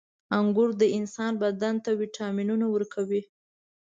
• انګور د انسان بدن ته ویټامینونه ورکوي.